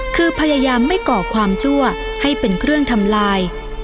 คือพยายามไม่ก่อความชั่วให้เป็นเครื่องทำลาย